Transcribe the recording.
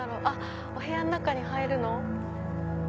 お部屋の中に入るの？